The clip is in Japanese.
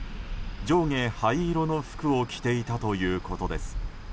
上下灰色の服を着ていたということです。